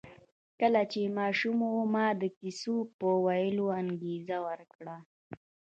کله چې ماشوم و ما د کیسو په ویلو انګېزه ورکړه